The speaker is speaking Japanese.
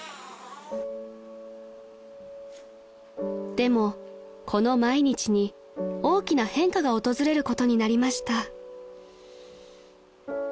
［でもこの毎日に大きな変化が訪れることになりました］